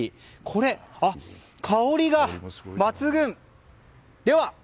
これ、香りが抜群！